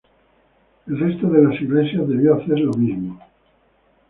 El resto de las iglesias debió de hacer lo mismo.